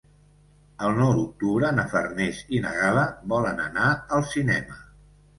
El nou d'octubre na Farners i na Gal·la volen anar al cinema.